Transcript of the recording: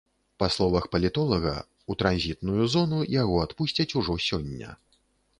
Па словах палітолага, у транзітную зону яго адпусцяць ужо сёння.